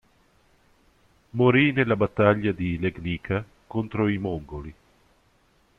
Morì nella battaglia di Legnica contro i Mongoli.